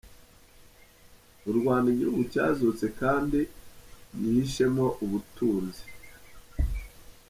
U Rwanda, igihugu cyazutse kandi gihishemo ubutunzi’.